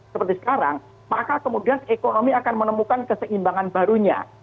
seperti sekarang maka kemudian ekonomi akan menemukan keseimbangan barunya